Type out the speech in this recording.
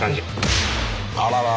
あららら。